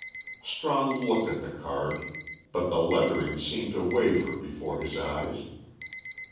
Strong looked at the card, but the lettering seemed to waver before his eyes.